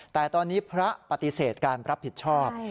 แต่ตอนนี้พระปฏิเสธการรับผิดชอบ